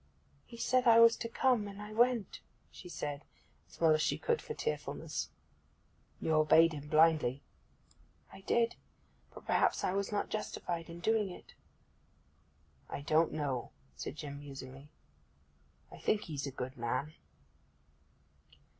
'He said I was to come, and I went,' she said, as well as she could for tearfulness. 'You obeyed him blindly.' 'I did. But perhaps I was not justified in doing it.' 'I don't know,' said Jim musingly. 'I think he's a good man.